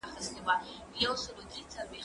زه اوس ږغ اورم،